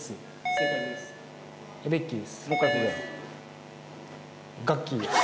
正解です。